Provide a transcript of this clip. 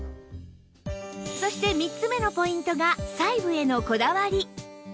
そして３つ目のポイントが「細部へのこだわり」